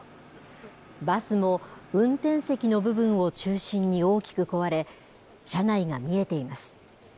バスも、運転席の部分を中心に大きく壊れ、車内が見えています。